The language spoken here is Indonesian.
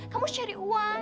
kamu harus cari uang